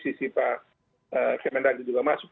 sisi pak kemen raja juga masuk